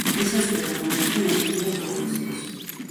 ესაზღვრება დანარჩენ ოთხივე პროვინციას.